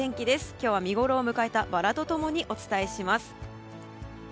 今日は見ごろを迎えたバラと共にお伝えします。